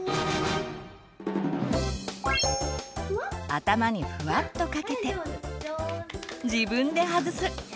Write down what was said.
頭にふわっとかけて自分ではずす。